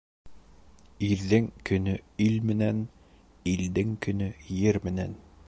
Ирҙең көнө ил менән, илдең көнө ер менән.